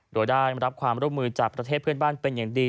โดยได้รับความร่วมมือจากประเทศเพื่อนบ้านเป็นอย่างดี